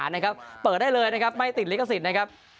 นะครับเปิดได้เลยนะครับไม่ติดลิขสิทธิ์นะครับ